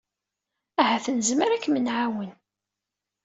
Ahat nezmer ad kem-nɛawen.